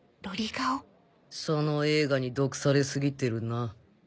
その映画に毒されすぎてるな